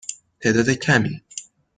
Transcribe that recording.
تعداد کمی.